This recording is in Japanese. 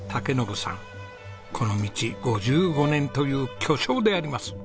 この道５５年という巨匠であります。